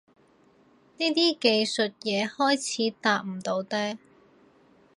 呢啲技術嘢開始搭唔到嗲